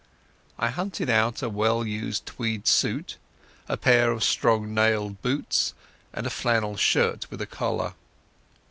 I hunted out a well used tweed suit, a pair of strong nailed boots, and a flannel shirt with a collar.